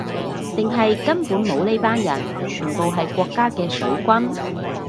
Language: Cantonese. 定係根本冇呢班人，全部係國家嘅水軍